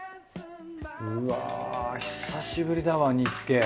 うわぁ久しぶりだわ煮つけ。